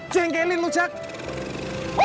cengkelin lu jack